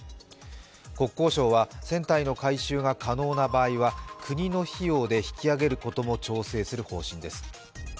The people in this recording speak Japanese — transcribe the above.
国交省は船体の回収が可能な場合は国の費用で引き揚げることも検討しているということです。